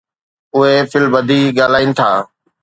اهي في البديه ڳالهائين ٿا.